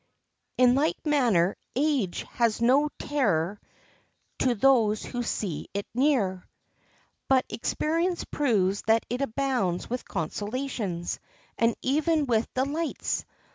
In like manner age has no terror to those who see it near; but experience proves that it abounds with consolations, and even with delights.